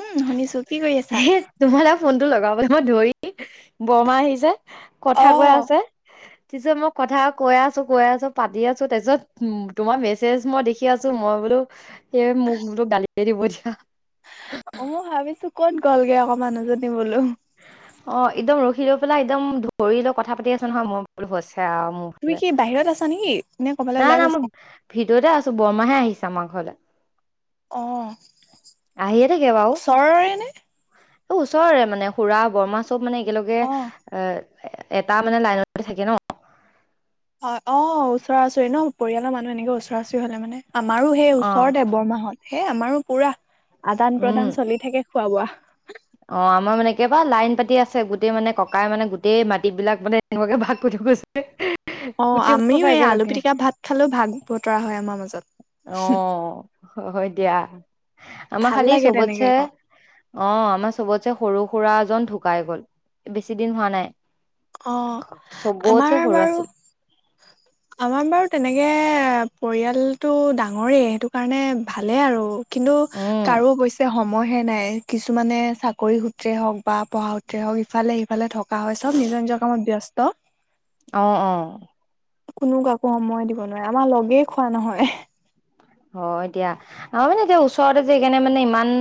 উম' শুনিছোঁ। হেত তোমাৰা ফোনটো লগাবলৈ মই ধৰি বৰমা আহিছে। অ কথা কোৱা আছে। পিছত মই কথা কৈ আছোঁ, কৈ আছোঁ পাতি আছোঁ, তাৰপিছত উম' তোমাৰ মেছেজ মই দেখি পাতি আছোঁ, মই বোলোঁ এই মোক বোলোঁ গালিয়ে পাৰি দিব এতিয়া। অ' মই ভাবিছোঁ ক'ত গ'লগে আকৌ মানুহজনী বোলোঁ। অ', একদম ৰখি লৈ পেলাই একদম ধৰি লৈ কথা পাতি আছে নহয়, মই বোলো হৈছে আৰু মোক। তুমি কি বাহিৰত আছা নেকি? নে ক'বালৈ নাই ওলাই নাই মই গৈছা? ভিতৰতে আছো বৰমাহে আহিছে আমাৰ ঘৰলৈ। অ আহিয়ে থাকে বাওঁ। ওচৰৰে নে? ওচৰেৰে মানে খুৰা বৰমা চব মানে একেলগে অ এ এটা মানে লাইনতে থাকে ন'! অ', অ', ওচৰা-ওচৰি ন' পৰিয়ালৰ মানুহ মানে এনেকে ওচৰা-ওচৰি হ'লে মানে আমাৰো সেই অ ওচৰতে বৰমা হত হেই আমাৰো পুৰা-আদান উম প্ৰদান চলি থাকে খোৱা-বোৱা। অ', আমাৰ মানে একেবা লাইন পাতি আছে গোটেই মানে ককাই মানে গোটেই মাটি বিলাক মানে এনেকুৱাকে ভাগ কৰি থৈ গৈছে। [inaudible] অ', গোটেই আমিও সোপা এই আলু একেলগে পিটিকা ভাত খালেও ভাগ বতৰা হয়, আমাৰ মাজত। অ', হয় দিয়া, আমাৰ ভাল খালি লাগে তেনেকে চবতছে আকৌ। অ', আমাৰ চবতছে সৰু খুৰা জন ঢুকাই গ'ল, বেছি দিন হোৱা নাই। অ আমাৰ চবতচে সৰু বাৰু আছিল। আমাৰ বাৰু তেনেকে পৰিয়ালটো ডাঙৰেই সেইটো কাৰণে ভালেই আৰু। কিন্তু উম কাৰো অৱশ্যে সময় হে নাই, কিছুমানে চাকৰি সূত্ৰে সূত্ৰে হওক বা পঢ়া সূত্ৰে হওক ইফালে সিফালে থকা হয়, চব নিজৰ নিজৰ কামত ব্যস্ত। অ', অ'। কোনো কাকো সময় দিব নোৱাৰে, আমাৰ লগেই খোৱা নহয়। হয় দিয়া। আমাৰ মানে এতিয়া ওচৰতে যে সেইকাৰণে মানে ইমান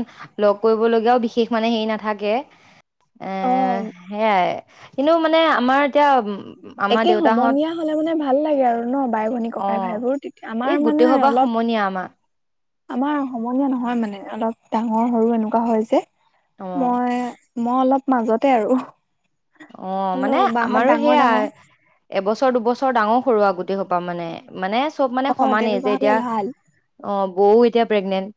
ল'গ কৰিব লগীয়াও বিশেষ মানে হেৰি নাথাকে। এ, অ সেয়াই কিন্তু মানে আমাৰ এতিয়া উম একে সমনীয়া হ'লে মানে ভাল লাগে আৰু ন', বাই, ভনী, ককাই, অ ভাইবোৰ, তেতিয়া আমাৰ এই গোটেই মনৰ সবা অলপ সমনীয়া আমাৰ। আমাৰ সমনীয়া নহয় মানে, অলপ ডাঙৰ সৰু এনেকুৱা হয় যে, অ মই মই অলপ মাজতে আৰু। অ', হলেও মানে বাহত আমাৰো ডাঙৰ সেইয়া ডাঙৰ এবছৰ দুবছৰ ডাঙৰ সৰু আৰু গোটেই সোপা মানে। মানে চ'ব মানে অ সমানেই তেনেকুৱা যে হলে এতিয়া ভাল অ', বৌও এতিয়া প্ৰেগনেন্ট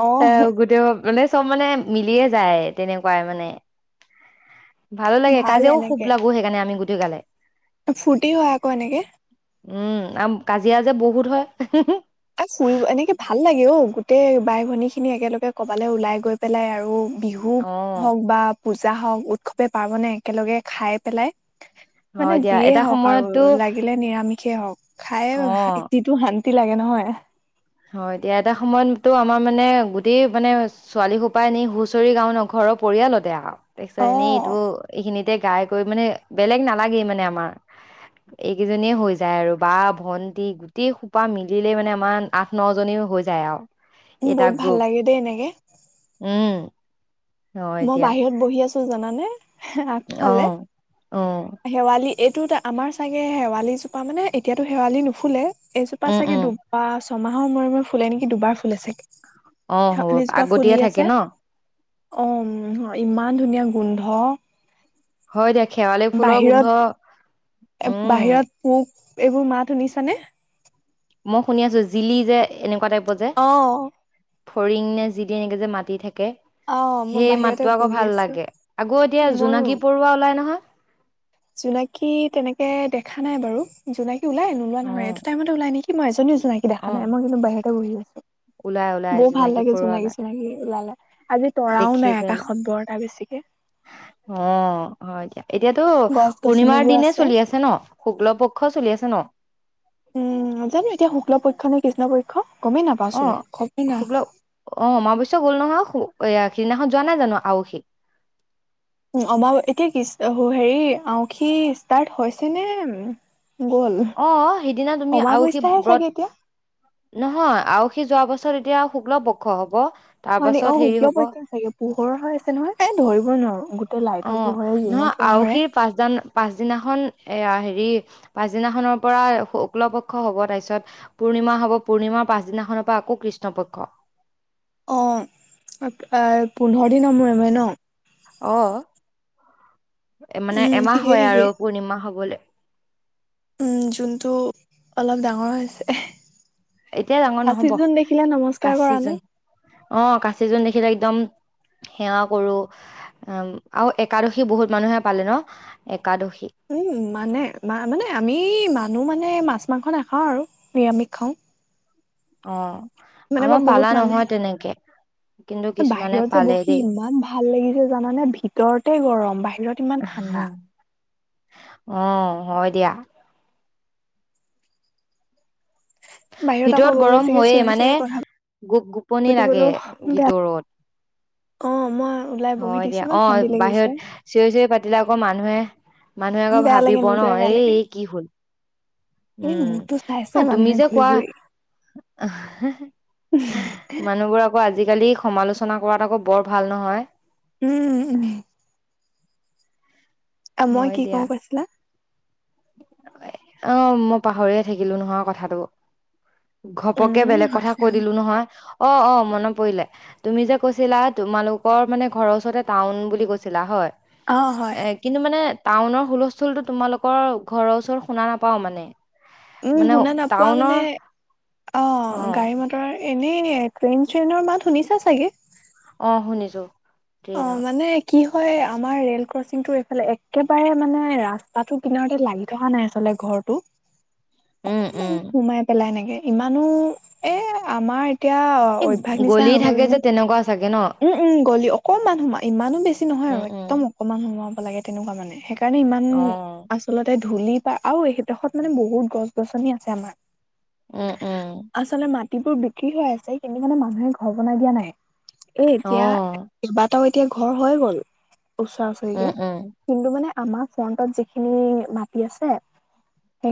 অ', গোটেই মানে চ'ব মানে মিলিয়ে যায় তেনেকুৱাই মানে। ভালো লাগে ভাল কাজিয়াও খুব এনেকে লাগো সেইকাৰণে আমি গোটেই গালে। ফূৰ্তি হয় আকৌ এনেকে। উম, আৰু কাজিয়া যে বহুত হয়। অ', ফুৰিব এনেকে ভাল লাগে অ', গোটেই বাই-ভনী খিনি একেলগে ক'বালৈ ওলাই গৈ পেলাই আৰু বিহু অ হওক বা পূজা হওক উৎসৱে পাৰ্বনে একেলগে খাই পেলাই। মানে হয় দিয়া যিয়েই এটা হওক আৰু সময়ততো লাগিলে নিৰামিষেই হওক খাই অ যিটো শান্তি লাগে নহয়। [inaudible] হয়, দিয়া এটা সময়ততো আমাৰ মানে গোটেই মানে ছোৱালীসোপাই এনেই হুঁচৰি গাও ন' ঘৰৰ পৰিয়ালতে আৰু তাৰপিছত এনেই অ', ত' এইখিনিতে গাই কৰি মানে বেলেগ নালাগেই মানে আমাৰ। এইকেইজনীয়ে হৈ যায় আৰু বা, ভন্টি গোটেই খোপা মিলিলে মানে আমাৰ আঠ, ন জনী হৈ যায় আৰু। উ, এটা বহুত ভাল গ্ৰুপ লাগে দেই এনেকে। উম। হয় মই বাহিৰত বহি আছোঁ জানানে! আগফালে অঁ' অঁ'। শেৱালি এইটো এটা আমাৰ চাগে শেৱালি জোপা মানে এতিয়াতো শেৱালি নুফুলে। এজোপা উম চাগে উম দুবাৰ ছমাহৰ মূৰে মূৰে ফুলে নেকি দুবাৰ ফুলে চাগে। অ হ'ব শেৱালি জোপা আগতীয়া ফুলি থাকে আছে। ন অ' ইমান ধুনীয়া গোন্ধ! হয় দিয়া শেৱালি ফুলৰ বাহিৰত গোন্ধ উম'। বাহিৰত পোক, এইবোৰ মাত শুনিছানে? মই শুনি আছোঁ, জিলি যে এনেকুৱা টাইপৰ যে অ ফলিং নে জিলি এনেকে যে মাতি থাকে। অ মই সেই বাহিৰতে মাতটো আকৌ বহি ভাল আছো লাগে। আকৌ' এতিয়া ময়ো জোনাকী পৰুৱা ওলাই নহয়। জোনাকী তেনেকে দেখা নাই বাৰু, জোনাকী ওলাই, নোলোৱা অ নহয় এইটো টাইমতে ওলাই নেকি কি? মই এজনীও জোনাকী অ দেখা নাই মই কিন্তু বাহিৰতে বহি আছোঁ। ওলাই ওলাই বৰ ভাল জোনাকী লাগে পৰুৱা জোনাকী ওলাই চোনাকী ওলালে। আজি তৰাও নাই আকাশত বৰ এটা বেছিকে। অঁ হয় দিয়া, এতিয়াতো গছ পূৰ্ণিমাৰ গছনিবোৰ দিনে চলি আছে ন। শুক্ল পক্ষ চলি আছে ন? উম' জানো এতিয়া শুক্ল পক্ষ নে কৃষ্ণ পক্ষ গমেই নাপাওঁচোন। অ' গমেই শুক্ল নাপাওঁ। অ' অমৱশ্য গ'ল নহয় এইয়া সিদিনাখনত যোৱা নাই জানো আঁউসী। উম অমাবৈ এতিয়া কি হেৰি আঁউসী ষ্টাৰ্ট হৈছে নে গ'ল? অঁ' সেইদিনা তুমি আঁউসী অমাৱস্যাহে ব্ৰত চাগে এতিয়া। নহয় আঁউসী যোৱা পাছত এতিয়া শুক্ল পক্ষ হব। তাৰ হয় নেকি? পাছত অঁ' হেৰি শুক্ল হব পক্ষ চাগে, পোহৰ হৈ আছে নহয়। এই ধৰিব নোৱাৰোঁ তে লাইটৰ পোহৰে জোনৰ পোহৰে পাঠদনা পাছদিনাখন এয়া হেৰি পাছদিনাখনৰ পৰা শুক্ল পক্ষ হব তাৰপিছত পূৰ্ণিমা হব, পূৰ্ণিমাৰ পাছদিনাখনৰ পৰা আকৌ কৃষ্ণপক্ষ। অঁ আ পোন্ধৰ দিনৰ মূৰে মূৰে ন? অহ মানে উম এমাহ ঠিকেই হয় ঠিকেই আৰু পূৰ্ণিমা হবলে। উম জোনটো অলপ ডাঙৰ হৈ আছে। এতিয়া ডাঙৰ কাচি নহ'ব জোন দেখিলে নমস্কাৰ কৰা নে? অঁ কাচি জোন দেখিলে একদম সেৱা কৰোঁ আৰু একাদশী বহুত মানুহে পালে ন একাদশী উম মানে মা মানে আমি মানো মানে মাছ মাংস নেখাও আৰু নিৰামিষ খাওঁ। অঁ মানে বা আমাৰ বহুত পালা মানে নহয় তেনেকে। কিন্তু কিছুমানে বাহিৰত যে পালে বহি দেই ইমান ভাল লাগিছে জানানে, ভিতৰতে গৰম বাহিৰত ইমান ঠাণ্ডা। অঁ হয় দিয়া। বাহিৰত আকৌ ভিতৰত বৰ গৰম বেছিকে হয়ে, চিঞৰি মানে চিঞৰি কথা গোপ গোপনি লাগে পাতিবলৈও বেয়া ভিতৰত। অ' মই ওলাই বহি হয় দিছো দিয়া, ইমান অঁ শান্তি লাগিছে বাহিৰত চিঞৰি চিঞৰি পাতিলে আকৌ মানুহে মানুহে আকৌ বেয়া লাগে ভাবিব ন, নিজৰে বেয়া এই লাগে। কি হল এনে উম মোৰতো চাইছে আ তুমি মানুহে যে ঘূৰি কোৱা ঘূৰি মানুহবোৰ আকৌ আজিকালি সমালোচনা কৰাত আকৌ বৰ ভাল নহয়। উম উম। অঁ মই হয় কি কওঁ কৈছিলা? অঁ মই পাহৰিয়ে থাকিলো নহয় কথাটো। ঘপকে উম বেলেগ কথা হৈছে কৈ দিলো নহয়, অ' অ' মনত পৰিলে। তুমি যে কৈছিলা তোমালোকৰ মানে ঘৰৰ ওচৰতে টাউন বুলি কৈছিলা হয়? অঁ হয়। এ কিন্তু মানে টাউনৰ হুলস্থুলতো তোমালোকৰ ঘৰৰ ওচৰত শুনা নাপাওঁ মানে। উম, মানে শুনা নাপোৱা টাউনৰ মানে অ' গাড়ী মট তাৰ এনেই ট্ৰেইন চ্ৰেইনৰ মাত শুনিছা চাগে। অঁ শুনিছো। অ', ট্ৰেইনৰ মানে কি হয় আমাৰ ৰেল ক্ৰচিংটো এইফালে একেবাৰে মানে ৰাস্তাটো কিনাৰতে লাগি থকা নাই আচলতে। ঘৰটো? উম অকনমান উম সোমাই পেলাই এনেকে ইমানো এ আমাৰ এতিয়া এই অভ্যাস নিচিনা গলি হৈ গ'ল থাকে যে মানে তেনেকুৱা চাগে ন? উম, উম গ'লি, অকণমান সোমা ইমানো বেছি নহয় উম আৰু উম একদম অকণমান সোমাব লাগে তেনেকুৱা মানে। সে ইকাৰণে ইমান অ আচলতে ধূলি পা আৰু, এইডখৰত মানে বহুত গছ গছনি আছে আমাৰ। উম উম আচলতে মাটিবোৰ বিক্ৰী হৈ আছে, কিন্তু মানে মানুহে ঘৰ বনাই দিয়া নাই। এ অ এতিয়া কেইবাটাও এতিয়া ঘৰ হৈ গ'ল ওচৰা উম ওচৰিকে। উম কিন্তু মানে আমাৰ ফ্ৰন্টত যিখিনি মাটি আছে,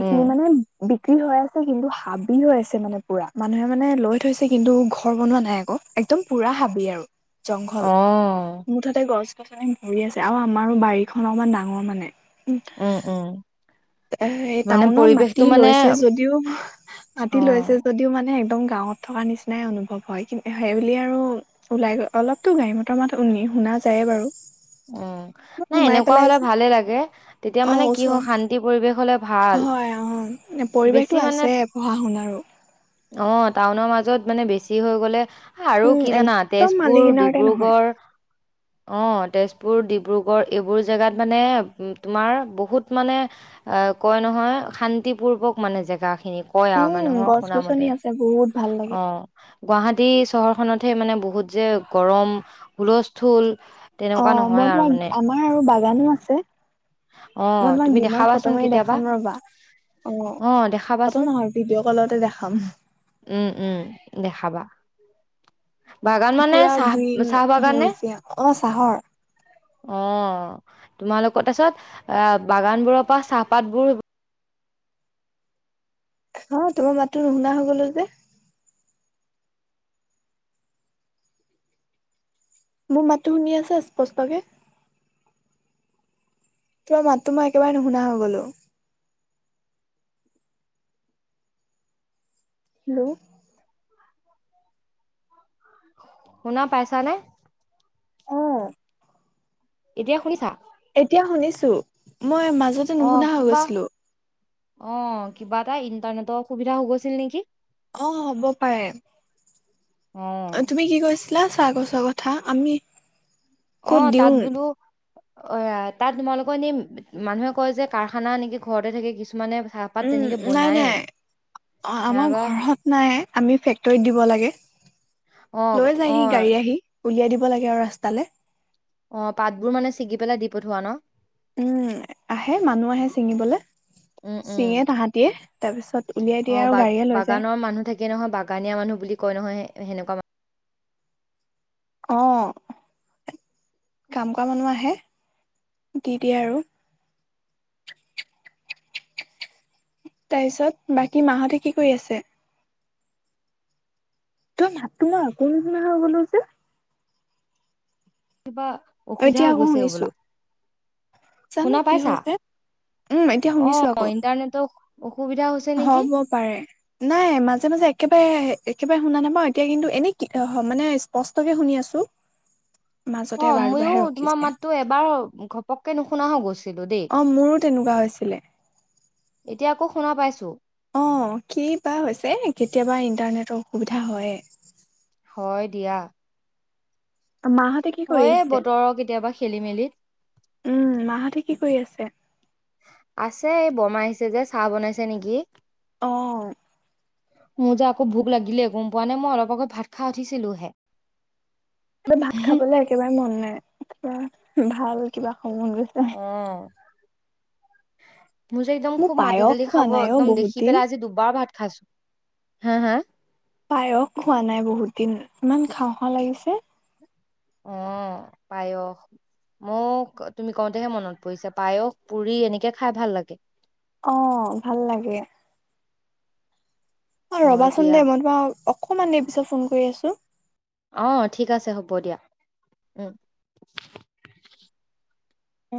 উম মানে বিক্ৰী হৈ আছে, কিন্তু হাবি হৈ আছে মানে পুৰা মানুহে মানে লৈ থৈছে কিন্তু ঘৰ বনোৱা নাই আকৌ। একদম পুৰা হাবি আৰু জংঘল অ মুঠতে গছ ভৰি আছে, আৰু আমাৰো বাৰীখন অকমান ডাঙৰ মানে। উ ও' ও'। এ এই টাউনত মাটি মানে লৈছে যদিও অ মাটি লৈছে যদিও মানে একদম গাঁৱত থকা নিচিনাই অনুভৱ হয়। সেইবুলি আৰু ওলাই গ অলপতো মটৰ মাত শুনা যায়ে বাৰু। উম, নাই সোমাই এনেকুৱা পেলাই হ'লে যে ভালে লাগে, তেতিয়া অ মানে কি হ ওচৰ শান্তি পৰিৱেশ হ'লে ভাল হয়। অ' বেছি পৰিৱেশটো মানে আছে পঢ়া শুনাৰো। অ', টাউনৰ মাজত মানে বেছি হৈ গ'লে আৰু উম কি জানা একদম মালি তেজপুৰ কিনাৰতে নহয় ডিব্ৰুগড় অ' তেজ পুৰ ডিব্ৰুগড় এইবোৰ জাগাত মানে তোমাৰ বহুত মানে আহ কয় নহয় শান্তিপূৰ্বক মানে জেগা খিনি। কয় আৰু উম মানুহৰ গছ শুনা গছনি মতে আছে বহুত ভাল লাগে অ'। গুৱাহাটী চহৰখনতহে মানে বহুত যে গৰম হুলস্থুল অ', তেনেকুৱা মই নহয় আৰু তোমাৰ মানে। আমাৰ আৰু বাগানো আছে। মই অ', তোমাক তুমি দিনত দেখাবাচোন ফটো মাৰি কেতিয়াবা। দেখাম ৰ'বা। অ', ফতো নহয় ভিডিঅ' কলতে দেখাম। উম, উম দেখাবা। বাগান মানে পুৰা চাহ গ্ৰীণ চাহ বাগানে? সেউজীয়া অ চাহৰ অ' তোমালোকৰ তাৰ পাছত এ বাগান বোৰৰ পৰা চাহপাত বোৰ হয়, তোমাৰ মাততো নুশুনা হৈ গ'লো যে। মোৰ মাতটো শুনি আছা স্পষ্টকে? তোমাৰ মাতটো মই একেবাৰে নুশুনা হৈ গ'লো। হেল্ল'? শুনা পাইছা নে? অ এতিয়া শুনিছা? এতিয়া শুনিছো মই মাজত অ কিবা অ কিবা এটা ইণ্টাৰনেটৰ অসুবিধা হও গৈছিল নেকি অ হ'ব পাৰে অ তুমি কি কৈছ লা চাহ গছৰ কথা আমি অ ক'ত তাত দিওঁ বোলো অ আ তাত তোমালোকৰ এনে মানুহে কয় যে কাৰখানা এনেকে ঘৰতে থাকে কিছুমানে ভা পাত উম, তেনেকে নাই বনায় নাই অ আমাৰ ঘৰত নাই আমি ফেক্টৰীত দিব লাগে অ লৈ অ যায়হি গাড়ী আহি উলিয়াই দিব লাগে আৰু ৰাস্তালে অ পাতবোৰ মানে ছিগি পেলাই দি পঠোৱা ন উম আহে মানুহ আহে ছিঙিবলে উম উম ছিঙে তাহাঁতিয়ে তাৰপিছত উলিয়াই দিয়ে আউ গাড়ীয়ে লৈ যায় যিয়ে নহক বাগানীয়া মানুহ বুলি কয় নহয় সেনেকুৱা মান অ কাম কৰা মানুহ আহে দি দিয়ে আৰু তাৰ পিছত বাকী মাহতে কি কৰি আছে তোমাৰ মাতটো মই আকৌ নুশুনা হৈ গ'লো যে কিবা অ', অসুবিধা এতিয়া হৈ আকৌ গছে শুনিছো হবলা জানো শুনা কি পাইছা হৈছে উম, এতিয়া অ শুনিছো আকৌ ইণ্টাৰনেটৰ অ অসুবিধা হৈছ হ'ব পাৰে নাই মাজে মাজে একেবাৰে একেবাৰে শুনা নাপাওঁ এতিয়া কিন্তু এনে কি আ মানে স্পষ্টকে শুনি আছো মাজতে অ এবাৰ মইও দুবাৰহে ৰখি তোমাৰ যায়। মাততো এবাৰ ঘপককে নুশুনা হৈ গৈছিলো দেই অঁ মোৰো তেনেকুৱা হৈছিলে এতিয়া আকৌ শুনা পাইছো অ কি বা হৈছে কেতিয়াবা ইণ্টাৰনেটৰ অসুবিধা হয় হয় দিয়া অ মাহতেক হয়ে বতৰ কেতিয়াবা খেলি মেলি উম মাহতে কি কৰি আছে আছে এই বমাই আহিছে যে চাহ বনাইছে নেকি অ মোৰ যে আকৌ, ভোক লাগিলে গম পোৱা নে, মই অলপ আগত ভাত খা উঠিছিলোহে। মোৰ ভাত খাবলে একেবাৰে মন নাই, কিবা, ভাল কিবা খাব মন গৈছে। অ। মোৰ যে, একদম খুব মাটি পায়স দালি খোৱা খাব, নাই অ' একদম বহুত দেখি দিন। পেলাই আজি, দুবাৰ ভাত খাইছো। হা' হা'?। পায়স খোৱা নাই বহুত দিন, ইমান খাও খাও লাগিছে। অ', পায়স। মোক, তুমি কওঁতেহে মনত পৰিছে, পায়স, পুৰি এনেকে খাই ভাল লাগে। অ', ভাল লাগে। অ', হয় ৰবাচোন দিয়া দে, মই তোমাক অকমান দেৰি পিছত, ফোন কৰি আছো। অ', ঠিক আছে হ'ব দিয়া। উম। অ।